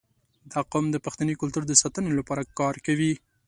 • دا قوم د پښتني کلتور د ساتنې لپاره کار کوي.